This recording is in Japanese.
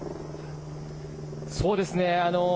そうですね。